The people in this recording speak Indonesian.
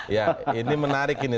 ya ini menarik ini